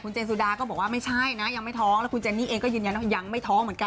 เจนสุดาก็บอกว่าไม่ใช่นะยังไม่ท้องแล้วคุณเจนนี่เองก็ยืนยันว่ายังไม่ท้องเหมือนกัน